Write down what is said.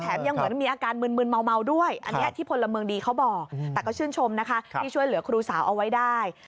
แถมยังเหมือนมีอาการมืนเมาด้วย